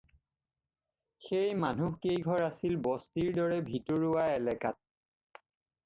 সেই মানুহকেইঘৰ আছিল বস্তিৰ দৰে ভিতৰুৱা এলেকাত।